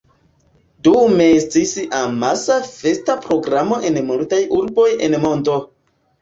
Dume estas amasa festa programo en multaj urboj en mondo.